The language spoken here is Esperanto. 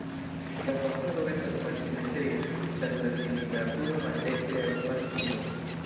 La fasado estas malsimetria, ĉar la cilindra turo maldekstre rompas tion.